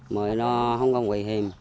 mới nó không còn nguy hiểm